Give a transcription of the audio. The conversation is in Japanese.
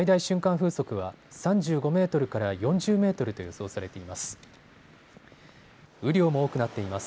風速は３５メートルから４０メートルと予想されています。